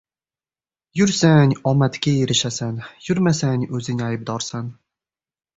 • Yursang ― omadga erishasan, yurmasang ― o‘zing aybdorsan.